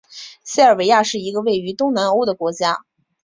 塞尔维亚是一个位于东南欧的国家。